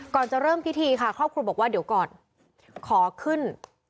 ก่อนจะเริ่มพิธีค่ะครอบครัวบอกว่าเดี๋ยวก่อนขอขึ้น